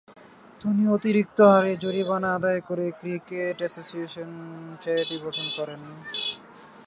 তিনি অতিরিক্ত হারে জরিমানা আদায় করে ক্রিকেট অ্যাসোসিয়েশন চ্যারিটি গঠন করেন।